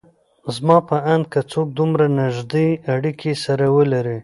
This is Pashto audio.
زما په اند که څوک دومره نيږدې اړکې سره ولري